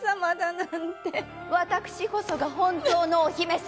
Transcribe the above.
私こそが本当のお姫様。